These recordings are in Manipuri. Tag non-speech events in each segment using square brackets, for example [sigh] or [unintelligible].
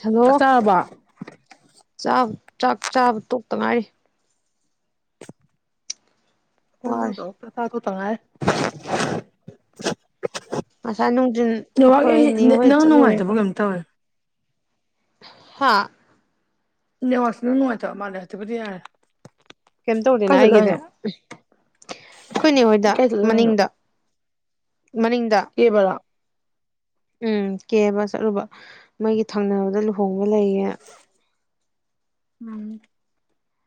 ꯍꯂꯣ ꯆꯥꯛ ꯆꯥꯔꯕ ꯆꯥꯛ ꯆꯥꯕ ꯇꯣꯛꯇ ꯉꯥꯏ ꯋꯥꯔꯦ ꯛꯇ ꯊꯥ ꯇꯉ ꯉꯁꯥꯏ ꯅꯨꯡꯊꯤꯟ ꯑꯩꯈꯣꯏꯅꯤ ꯍꯣꯏ ꯅꯪ ꯆꯠꯂꯨꯔꯦꯀ ꯅꯨꯡꯉꯥꯏꯇꯕ꯭ꯔꯥ ꯀꯩꯅꯣꯝ ꯇꯧꯋꯦ ꯍꯥꯥ ꯅꯤꯡ ꯋꯥꯁꯤꯅ ꯅꯨꯡꯉꯥꯏꯇ ꯃꯥꯅꯦꯦ ꯍꯥꯏꯗꯤꯕꯨꯗꯤ ꯌꯥꯔꯦ ꯀꯩꯝ ꯀꯥꯏ ꯇꯧꯗꯦꯅ ꯆꯠꯂꯨꯏ ꯑꯩꯒꯤꯗꯤ ꯍꯥꯏꯅꯣ ꯑꯩꯈꯣꯏꯅꯦ ꯍꯣꯏꯗ ꯀꯥꯏ ꯆꯠꯂꯨꯏ ꯍꯥꯏꯅꯣ ꯃꯅꯤꯡꯗ ꯃꯅꯤꯡꯗ ꯀꯦꯕꯔꯥ ꯎꯝ ꯀꯦꯕ ꯆꯠꯂꯨꯕ ꯃꯩꯒꯤ ꯊꯪꯅꯕꯗ ꯂꯨꯍꯣꯡꯕ ꯂꯩꯌꯦꯦ ꯎꯝ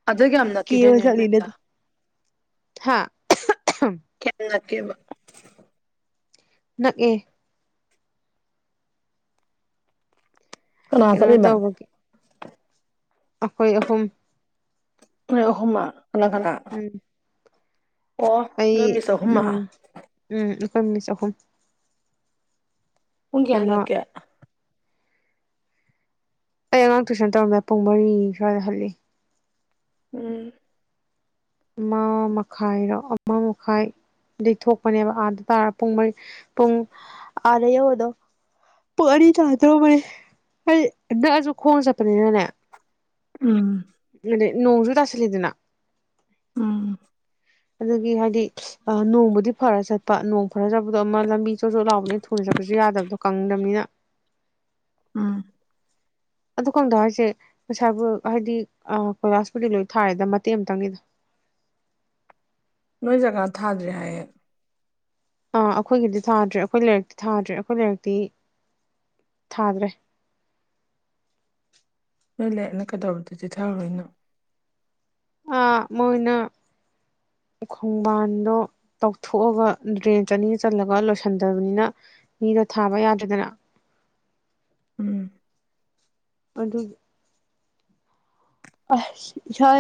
ꯑꯗꯨ ꯀ ꯌꯥꯝ ꯅꯠꯈꯤꯗꯣꯏꯅꯦ ꯑꯩꯣꯏ ꯃꯦꯝꯗ ꯍꯥꯥ ꯀ ꯅ ꯀꯦꯕ ꯅꯪꯑꯦ ꯀꯅꯥ ꯀꯩꯅꯣ ꯆꯠꯂꯤꯕ ꯇꯧꯕꯒꯦ ꯑꯩꯈꯣꯏ ꯑꯍꯨꯝ ꯑꯍꯣꯥ ꯀꯅꯥ ꯀꯅꯥ ꯎꯝ ꯑꯣ ꯅꯣꯏꯃꯤꯁ ꯍꯃ ꯎꯅꯤꯁ ꯑꯍꯨꯝ ꯄꯨꯨꯡ ꯀꯌꯥ ꯀꯩꯅꯣ ꯍꯂꯛ ꯀꯌꯥ ꯑꯩ ꯑꯉꯥꯡ ꯇꯨꯏꯁꯟ ꯇꯧꯔꯝꯗꯥ ꯄꯨꯡ ꯃꯔꯤ ꯁ꯭ꯋꯥꯏꯗ ꯍꯜꯂꯤ ꯎꯝ ꯑꯃ ꯃꯈꯥꯏꯔꯣ ꯑꯃ ꯃꯈꯥꯏ ꯑꯗꯩ ꯊꯣꯛꯄꯅꯦꯕ ꯑꯥꯗ ꯇꯥꯔ ꯄꯨꯡ ꯃꯔꯤ ꯄꯨꯡ ꯑꯥꯗ ꯌꯧꯕꯗꯣ ꯄꯔꯤ ꯇꯥꯗ꯭ꯔꯣꯕꯅꯤ ꯍꯥꯏ ꯅꯛꯁꯨ ꯈꯣꯡ ꯆꯠꯄꯅꯤꯅꯅꯦ ꯎꯝ ꯑꯗ ꯅꯣꯡꯁꯨ ꯇꯥꯁꯜꯂꯤꯗꯅ ꯎ ꯑꯗꯨꯗꯒꯤ ꯍꯥꯏꯗꯤ ꯑ ꯅꯣꯡꯕꯨꯗꯤ ꯐꯔ ꯆꯠꯄ ꯅꯣꯡ ꯐꯔ ꯆꯠꯄꯗꯣ ꯑꯃ ꯂꯝꯕꯤ ꯆꯣꯠ ꯆꯣꯠ ꯂꯥꯎꯕꯅꯤꯅ ꯊꯨꯜ ꯆꯠ ꯆ ꯆꯠꯕꯁꯨ ꯌꯥꯗꯕꯗꯣ ꯀꯪꯗꯕꯅꯤꯅ ꯑꯥ ꯑꯗꯨ ꯈꯪꯗ ꯍꯥꯏꯁꯦ ꯄꯩꯁꯥꯕꯨ ꯍꯥꯏꯗꯤ ꯀꯣꯏꯂꯥꯁꯄꯨꯗꯤ ꯂꯣꯏ ꯊꯥꯔꯦꯗ ꯃꯇꯦꯛ ꯑꯃꯇꯪꯅꯤꯗ [unintelligible] ꯅꯣꯏ ꯖꯒꯥ ꯊꯥꯗ꯭ꯔꯦ ꯍꯥꯏꯌꯦꯦ ꯑꯥ ꯑꯩꯈꯣꯏꯒꯤꯗꯤ ꯊꯥꯗ꯭ꯔꯦ ꯑꯩꯈꯣꯏ ꯂꯥꯏꯔꯛꯇꯤ ꯊꯥꯗ꯭ꯔꯦ ꯑꯩꯈꯣꯏ ꯂꯥꯏꯔꯛꯇꯤ ꯊꯥꯗ꯭ꯔꯦ ꯍꯣꯏ ꯂꯩꯔꯦꯅ ꯀꯩꯗꯧꯕꯗꯗꯤꯤꯊꯥꯔꯣꯏꯅꯣ ꯑ ꯃꯣꯏꯅ ꯈꯣꯡꯕꯥꯟꯗꯣ ꯇꯧꯊꯣꯛꯑꯒ ꯗ꯭ꯔꯦꯟ ꯆꯅꯤ ꯆꯜꯂꯒ ꯂꯣꯏꯁꯟꯗꯕꯅꯤꯅ ꯃꯤꯗꯣ ꯊꯥꯕ ꯌꯥꯗꯗꯅ ꯎꯝ ꯄꯗꯨ ꯑ ꯍ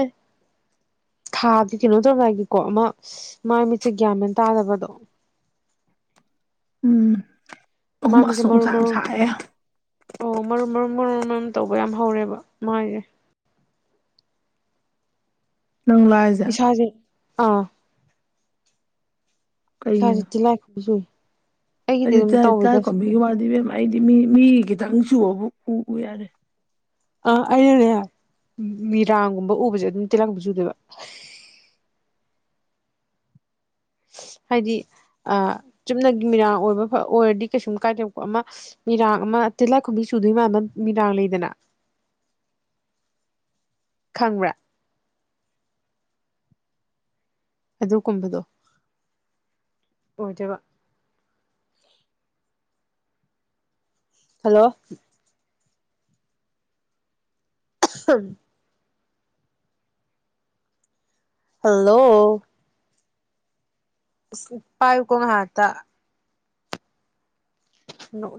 ꯊꯥꯗꯤ ꯀꯩꯅꯣ ꯇꯧꯔꯑꯒꯦꯀꯣ ꯑꯃ ꯃꯥꯏ ꯃꯤꯠꯆꯦ ꯒ꯭ꯌꯥꯃꯦꯟ ꯇꯥꯗꯕꯗꯣ [inaudible] ꯎꯝ ꯑꯍꯨꯝ ꯃꯥꯁꯤꯦ ꯑꯁ ꯅꯨꯡꯁꯥ ꯌꯥꯝ ꯃꯔꯃꯔꯨ ꯁꯥꯏꯌꯦ ꯑꯣ ꯃꯃꯔ ꯃꯔ ꯃꯔꯨꯝ ꯇꯧꯕ ꯌꯥꯝ ꯍꯧꯔꯦꯕ ꯃꯥꯥꯏꯁꯦ ꯅꯪ ꯂꯥꯏꯖꯦ ꯏꯁꯥꯁꯦ ꯑꯥ ꯁꯥ ꯆ ꯂꯥꯏ ꯀꯁꯨꯏ ꯑꯩ ꯇ ꯀꯝꯕꯒꯤ ꯃꯥꯗꯦ ꯍꯥꯏꯗꯤ ꯃꯤ ꯃꯤ ꯈꯤꯇꯪ ꯆꯨꯑꯕꯨ ꯎꯎ ꯌꯥꯔꯦ ꯑ ꯑꯩꯅꯅꯦꯦ ꯃꯤꯔꯥꯡꯒꯨꯝꯕ ꯎꯕꯁꯦ ꯑꯗꯨꯝ ꯇꯤꯜꯂꯛꯕ ꯆꯨꯗꯦꯕ [inaudible] ꯍꯥꯏꯗꯤ ꯑ ꯆꯨꯞꯅꯒꯤ ꯃꯤꯔꯥꯡ ꯑꯣꯏꯕ ꯑꯣꯏꯔꯗꯤ ꯀꯩꯁꯨꯝ ꯀꯥꯏꯗꯕꯣ ꯑꯃ ꯃꯤꯔꯥꯡ ꯑꯃ ꯇꯤꯜꯂꯛ ꯈꯨꯨꯝꯕꯤ ꯁꯨꯗꯣꯏ ꯃ ꯑꯃ ꯃꯤꯔꯥꯡ ꯂꯩꯗꯅ ꯈꯪꯕ꯭ꯔꯥ ꯑꯗꯨꯒꯨꯝꯕꯗꯣ ꯑꯣꯏꯖꯕ ꯍꯜꯂꯣ ꯎꯝ ꯍꯜꯂꯣ ꯄꯥꯏ ꯀꯣꯡ ꯍꯥꯏꯇ ꯅ